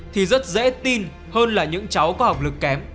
thì rất dễ tin hơn là những cháu có học lực kém